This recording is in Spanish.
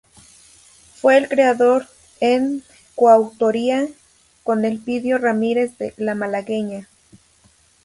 Fue el creador en coautoría con Elpidio Ramírez de "La Malagueña".